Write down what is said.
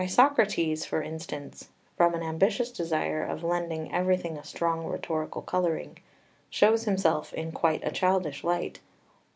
] 2 Isocrates, for instance, from an ambitious desire of lending everything a strong rhetorical colouring, shows himself in quite a childish light.